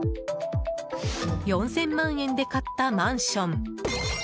４０００万円で買ったマンション。